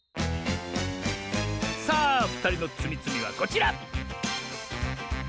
さあふたりのつみつみはこちら！